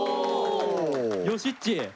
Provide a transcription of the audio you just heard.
よしっち。